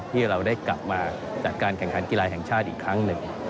ที่เราได้กลับมาจากการแข่งขันกีฬาแห่งชาติอีกครั้งหนึ่ง